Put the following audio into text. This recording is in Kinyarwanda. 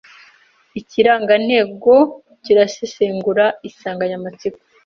Ikirangantego kirasesengura insanganyamatsiko